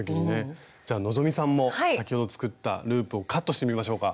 じゃあ希さんも先ほど作ったループをカットしてみましょうか。